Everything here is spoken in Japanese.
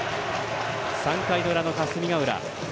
３回の裏の霞ヶ浦。